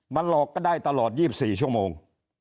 มันหลอกก็ได้ตลอด๒๔ชั่วโมง